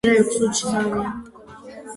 კოშკის გარშემო მიწის დონე აწეულია.